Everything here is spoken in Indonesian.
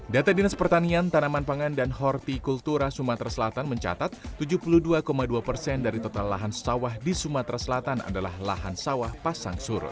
data dinas pertanian tanaman pangan dan hortikultura sumatera selatan mencatat tujuh puluh dua dua persen dari total lahan sawah di sumatera selatan adalah lahan sawah pasang surut